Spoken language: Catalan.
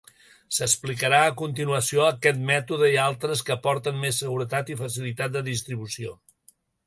S'explicarà a continuació aquest mètode i altres que aporten més seguretat i facilitat de distribució.